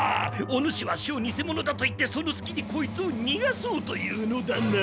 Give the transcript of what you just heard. お主ワシをにせ者だと言ってそのすきにこいつをにがそうというのだな？